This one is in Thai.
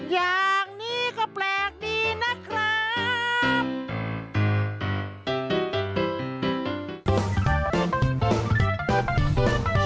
อย่างนี้ก็แปลกดีนะครับ